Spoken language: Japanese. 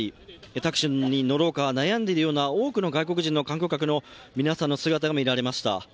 タクシーに乗ろうか悩んでいる多くの外国人観光客の姿も見られました。